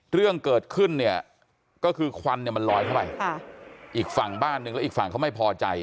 เรื่องเกิดขึ้นเนี่ยก็คือควันเนี่ยมันลอยเข้าไปอีกฝั่งบ้านหนึ่งแล้วอีกฝั่งเขาไม่พอใจ